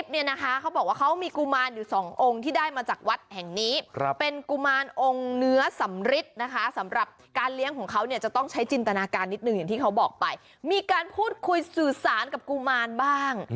มีอาการนิดหนึ่งอย่างที่เขาบอกไปมีการพูดคุยสื่อสารกับกุมารบ้าง